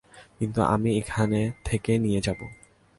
কিন্তু আমি এখান থেকে নিয়ে যাব।